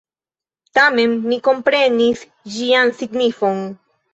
Tamen mi komprenis ĝian signifon.